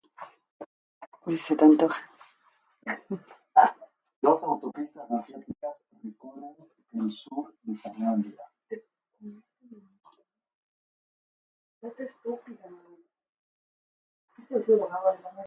Dos autopistas asiáticas recorren el sur de Tailandia.